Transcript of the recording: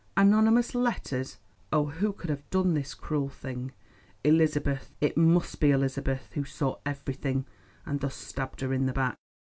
Anonymous letters! oh, who could have done this cruel thing? Elizabeth, it must be Elizabeth, who saw everything, and thus stabbed her in the back.